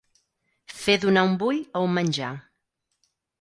Fer donar un bull a un menjar.